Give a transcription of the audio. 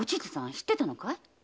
知ってたのかい？